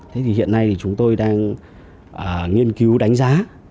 thế thì hiện nay thì chúng tôi đang nghiên cứu đánh giá